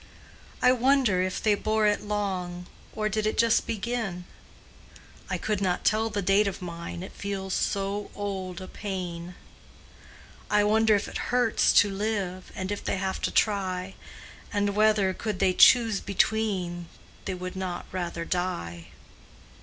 I wonder if they bore it long, Or did it just begin? I could not tell the date of mine, It feels so old a pain. I wonder if it hurts to live, And if they have to try, And whether, could they choose between, They would not rather die.